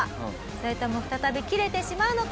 それとも再びキレてしまうのか？